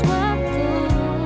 takkan terhapus waktu